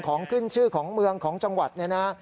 ของขึ้นชื่อของเมืองของจังหวัดเนี่ยนะ